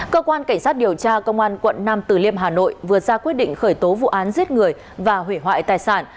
cơ quan cảnh sát điều tra công an quận nam từ liêm hà nội vừa ra quyết định khởi tố vụ án giết người và hủy hoại tài sản